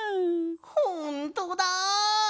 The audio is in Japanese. ほんとだ！